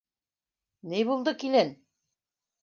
Ни булды, килен?